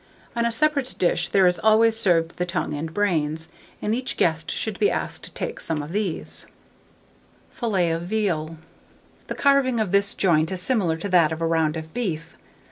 On a separate dish there is always served the tongue and brains, and each guest should be asked to take some of these. FILLET OF VEAL. [Illustration: FILLET OF VEAL.] 914. The carving of this joint is similar to that of a round of beef.